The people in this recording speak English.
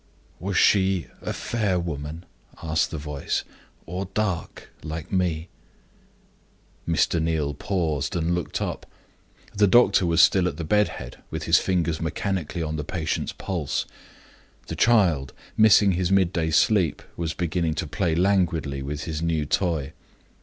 "Was she a fair woman," asked the voice, "or dark, like me?" Mr. Neal paused, and looked up. The doctor was still at the bed head, with his fingers mechanically on the patient's pulse. The child, missing his midday sleep, was beginning to play languidly with his new toy.